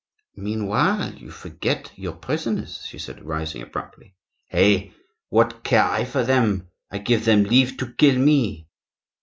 "Meanwhile you forget your prisoners," she said, rising abruptly. "Hey! what care I for them? I give them leave to kill me."